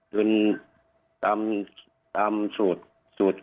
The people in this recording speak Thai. เดินตามสูตร